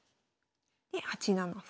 で８七歩。